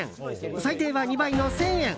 最低は２倍の１０００円。